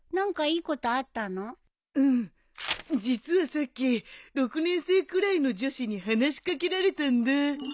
実はさっき６年生くらいの女子に話し掛けられたんだ。